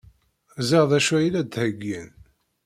Ẓriɣ d acu ay la d-ttheyyin.